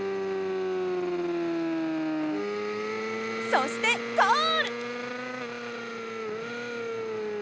そしてゴール！